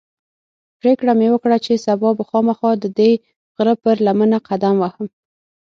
پرېکړه مې وکړه چې سبا به خامخا ددې غره پر لمنه قدم وهم.